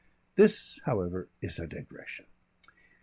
This, however, is a digression.